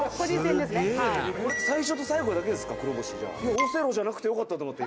「オセロじゃなくてよかったと思って」